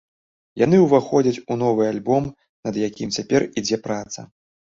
Яны ўваходзяць у новы альбом, над якім цяпер ідзе праца.